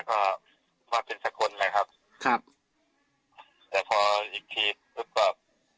ก็ว่าเป็นทะกนนะครับครับแต่พออีกทีฝืมกว่า